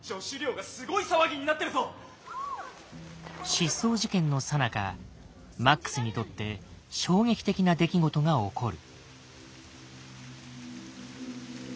失踪事件のさなかマックスにとって衝撃的な出来事が起こる。